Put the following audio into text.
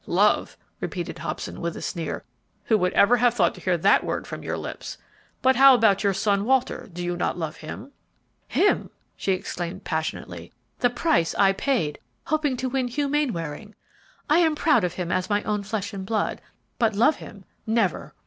"Love!" repeated Hobson, with a sneer. "Who would ever have thought to hear that word from your lips! But how about your son, Walter; do you not love him?" "Him!" she exclaimed, passionately; "the price I paid hoping to win Hugh Mainwaring! I am proud of him as my own flesh and blood, but love him? Never!"